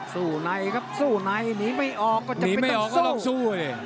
สู้ในครับสู้ในหนีไม่ออกก็จำเป็นต้องสู้